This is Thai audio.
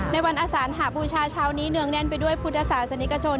ในวันอสานหาบูชาเช้านี้เนืองแน่นไปด้วยพุทธศาสนิกชน